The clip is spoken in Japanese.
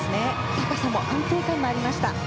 高さも安定感がありました。